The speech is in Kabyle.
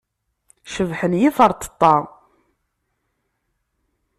Cebḥen yiferṭeṭṭa.